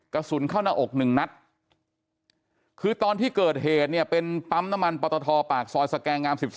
กระสุนเข้าหน้าอก๑นัดคือตอนที่เกิดเหตุเนี่ยเป็นปั๊มน้ำมันปตทปากซอยสแกงงาม๑๒